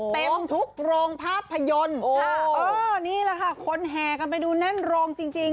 เต็มทุกโรงภาพยนตร์ค่ะเออนี่แหละค่ะคนแห่กันไปดูแน่นโรงจริงจริง